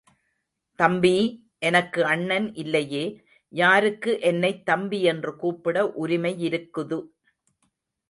தம்பி! எனக்கு அண்ணன் இல்லையே, யாருக்கு என்னைத் தம்பி என்று கூப்பிட உரிமையிருக்குது.